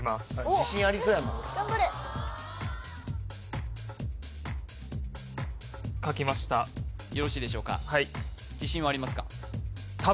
自信ありそうやもん頑張れ書きましたよろしいでしょうかはい自信はありますか？